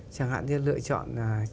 chẳng hạn như lựa chọn là